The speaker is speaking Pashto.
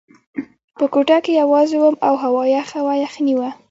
په کوټه کې یوازې وم او هوا یخه وه، یخنۍ وه.